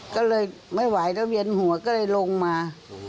ก็เลยไม่ไหวแล้วเวียนหัวก็เลยลงมา